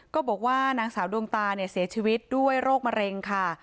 ก็บอกว่านางสาวดวงตาเนี่ยเสียชีวิตด้วยโรคมะเร็งค่ะ